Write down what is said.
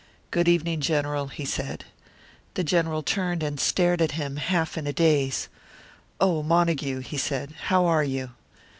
"Good evening, General," he said. The General turned and stared at him, half in a daze. "Oh, Montague!" he said. "How are you?"